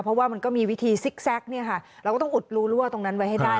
เพราะว่ามันก็มีวิธีซิกแซกเราก็ต้องอุดลัวตรงนั้นไว้ให้ได้